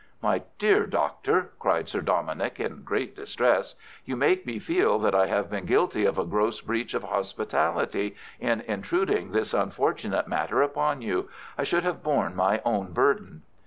"My dear doctor," cried Sir Dominick in great distress, "you make me feel that I have been guilty of a gross breach of hospitality in intruding this unfortunate matter upon you. I should have borne my own burden."